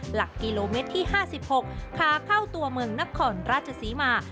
หลักกิโลเมตรที่๕๖ขาเข้าตัวเมืองนครราชศรีมา